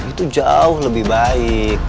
itu jauh lebih baik